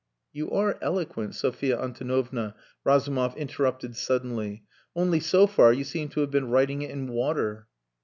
"You are eloquent, Sophia Antonovna," Razumov interrupted suddenly. "Only, so far you seem to have been writing it in water...."